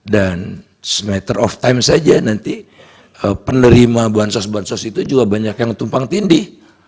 dan itulah nanti penerima bansos bansos itu juga banyak yang tumpang tindih